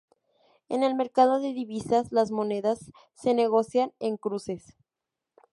En el mercado de divisas, las monedas se negocian en cruces.